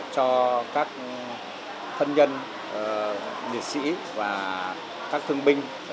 cho các thân nhân liệt sĩ và các thương binh